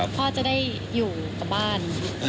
พ่อจะได้อยู่กับบ้าน